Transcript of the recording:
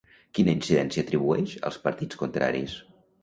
Quina incidència atribueix als partits contraris?